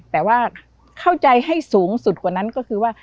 แต่ว่าเข้าใจให้สูงสุดกว่านั้นก็คือว่า